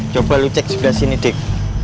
coba lu cek sebelah sini dik